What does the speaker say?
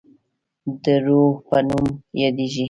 د روه په نوم یادیږي.